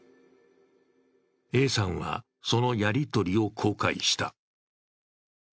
Ａさんは、そのやり取りを公開した。